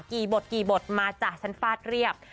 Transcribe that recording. บทกี่บทมาจ้ะฉันฟาดเรียบ